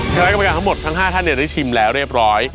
คณะกรรมการทั้งหมดทั้ง๕ท่านได้ชิมแล้วเรียบร้อย